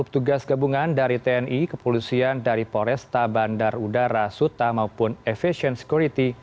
satu ratus dua puluh tugas gabungan dari tni kepolusian dari poresta bandar udara suta maupun efficient security